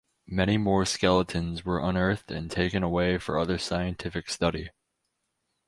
Many more skeletons were unearthed and taken away for other scientific study.